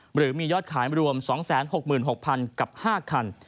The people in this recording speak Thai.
หรือมียอดขายรวม๒๖๖๐๐๐กับ๕คัน